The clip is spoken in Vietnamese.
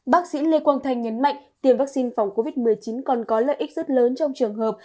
bác sĩ lê quang thanh nhấn mạnh tiêm vaccine phòng covid một mươi chín còn có lợi ích rất lớn trong trường hợp